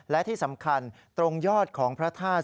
และที่สำคัญตรงยอดของพระธาตุ